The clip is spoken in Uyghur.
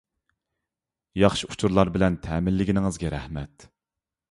ياخشى ئۇچۇرلار بىلەن تەمىنلىگىنىڭىزگە رەھمەت.